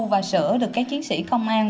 và sữa được các chiến sĩ công an